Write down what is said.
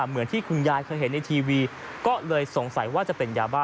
เหมือนที่คุณยายเคยเห็นในทีวีก็เลยสงสัยว่าจะเป็นยาบ้า